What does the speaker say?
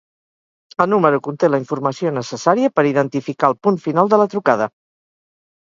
El número conté la informació necessària per identificar el punt final de la trucada.